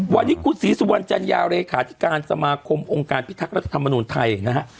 วันนี้คุณศรีสุวรรณจัญญาเลขาธิการสมาคมองค์การพิทักษ์รัฐธรรมนุนไทยนะฮะ